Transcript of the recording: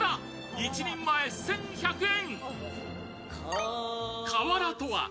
１人前１１００円。